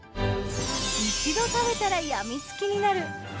一度食べたらやみつきになる八